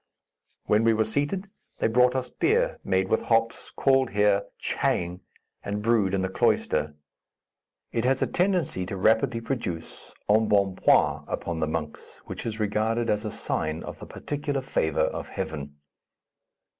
When we were seated, they brought us beer, made with hops, called here Tchang and brewed in the cloister. It has a tendency to rapidly produce embonpoint upon the monks, which is regarded as a sign of the particular favor of Heaven.